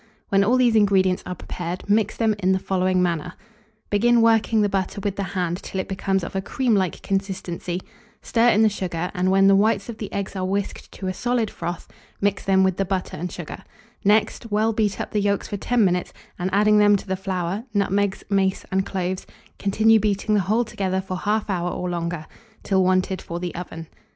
When all these ingredients are prepared, mix them in the following manner. Begin working the butter with the hand till it becomes of a cream like consistency; stir in the sugar, and when the whites of the eggs are whisked to a solid froth, mix them with the butter and sugar; next, well beat up the yolks for 10 minutes, and, adding them to the flour, nutmegs, mace, and cloves, continue beating the whole together for 1/2 hour or longer, till wanted for the oven.